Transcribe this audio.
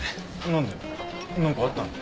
何で何かあったのか？